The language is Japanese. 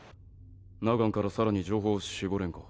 ナガンから更に情報を絞れんか？